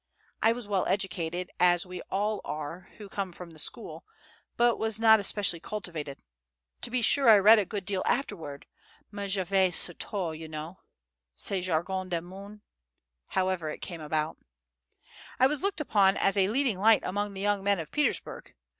I was well educated, as we all are who come from the school, but was not especially cultivated; to be sure, I read a good deal afterwards, mais j'avais surtout, you know, ce jargon du monde, and, however it came about, I was looked upon as a leading light among the young men of Petersburg.